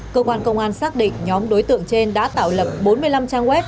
cơ quan công an xác định nhóm đối tượng trên đã tạo lập bốn mươi năm trang web